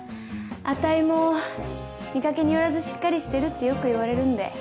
あたいも見かけによらずしっかりしてるってよく言われるんで。